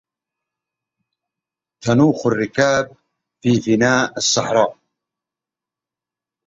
أنخ الركائب في فناء الدار